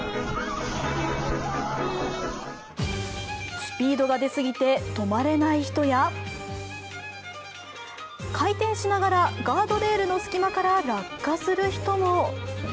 スピードが出すぎて止まれない人や回転しながらガードレールの隙間から落下する人も。